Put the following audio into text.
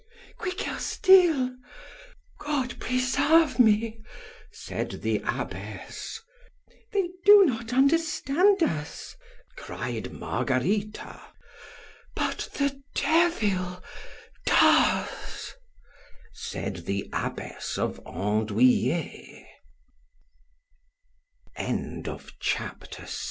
Quicker still—God preserve me; said the abbess—They do not understand us, cried Margarita—But the Devil does, said the abbess of _Andoüillets.